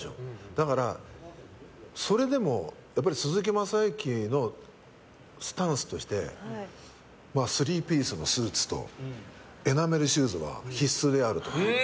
だから、それでもやっぱり鈴木雅之のスタンスとしてスリーピースのスーツとエナメルシューズは必須であると。